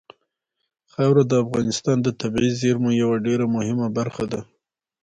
خاوره د افغانستان د طبیعي زیرمو یوه ډېره مهمه برخه ده.